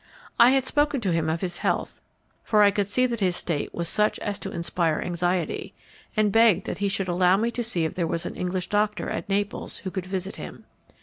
I had spoken to him of his health, for I could see that his state was such as to inspire anxiety, and begged that he would allow me to see if there was an English doctor at Naples who could visit him.